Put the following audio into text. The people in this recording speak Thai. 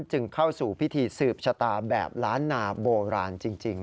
จึงเข้าสู่พิธีสืบชะตาแบบล้านนาโบราณจริง